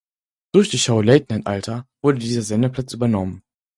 Durch die Show "Late Night Alter" wurde dieser Sendeplatz übernommen.